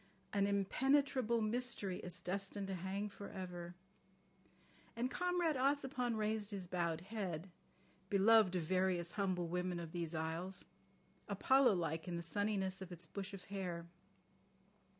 "An impenetrable mystery is destined to hang for ever. ..." And Comrade Ossipon raised his bowed head, beloved of various humble women of these isles, Apollo like in the sunniness of its bush of hair.